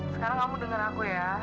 sekarang kamu dengar aku ya